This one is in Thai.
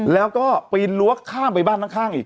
แล้วก็ปีนรั้วข้ามไปบ้านข้างอีก